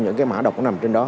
những cái mã đọc nó nằm trên đó